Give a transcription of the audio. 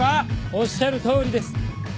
おっしゃるとおりです。